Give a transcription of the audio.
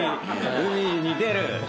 海に出る。